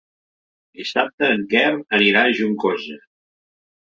Dissabte en Quer anirà a Juncosa.